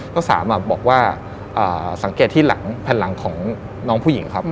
เจ้าสามบอกว่าสังเกตที่หลังแผ่นหลังของน้องผู้หญิงครับ